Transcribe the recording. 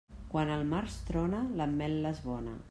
Quan al març trona, l'ametla és bona.